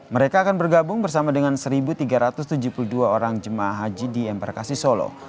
mereka akan bergabung bersama dengan satu tiga ratus tujuh puluh dua orang jemaah haji di embarkasi solo